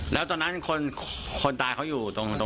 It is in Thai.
แล้วตอนนั้นคนตายเขาอยู่ตรง